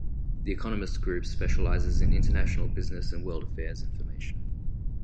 The Economist Group specialises in international business and world affairs information.